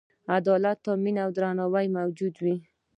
عدالت تأمین او درناوی موجود وي.